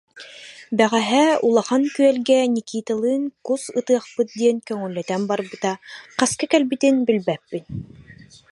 Бэҕэһээ Улахан Күөлгэ Никиталыын кус ытыахпыт диэн көҥүллэтэн барбыта, хаска кэлбитин билбэппин